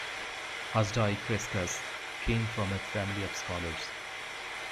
Hasdai Crescas came from a family of scholars.